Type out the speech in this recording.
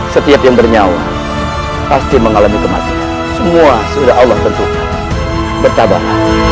setiap yang bernyawa pasti mengalami kematian semua sudah allah tentu bertambah